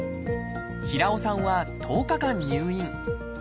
平尾さんは１０日間入院。